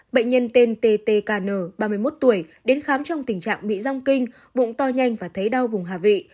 bệnh nhân tên ttkn ba mươi một tuổi đến khám trong tình trạng bị rng kinh bụng to nhanh và thấy đau vùng hạ vị